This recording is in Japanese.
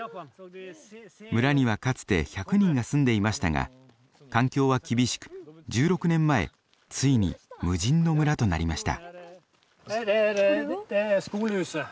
村にはかつて１００人が住んでいましたが環境は厳しく１６年前ついに無人の村となりました。